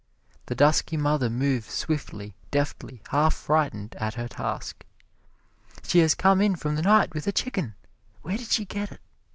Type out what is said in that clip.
The dusky mother moves swiftly, deftly, half frightened at her task. She has come in from the night with a chicken! Where did she get it?